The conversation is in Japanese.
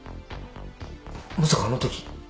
「まさかあの時」